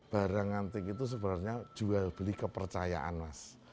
barang antik itu sebenarnya jual beli kepercayaan mas